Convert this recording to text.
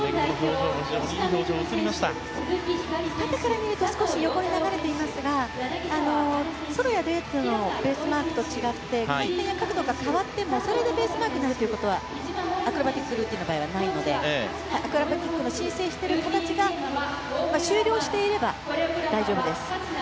あとから見ると横に流れていますがソロやデュエットのベースマークと違って回転や角度が変わっても、それがベースマークになるということはアクロバティックルーティンの場合はないのでアクロバティックの申請をしている子たちが終了していれば大丈夫です。